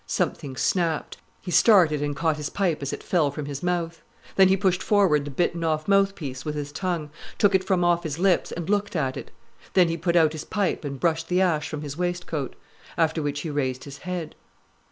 Something snapped. He started and caught his pipe as it fell from his mouth. Then he pushed forward the bitten off mouth piece with his tongue, took it from off his lips, and looked at it. Then he put out his pipe, and brushed the ash from his waistcoat. After which he raised his head.